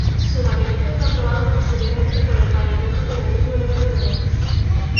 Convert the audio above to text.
Su gabinete fue aprobado posteriormente por el Parlamento con el mismo número de votos.